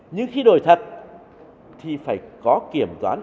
nhưng khi đổi thật thì phải có kiểm toán